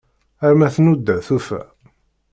Arma tnuda tufa.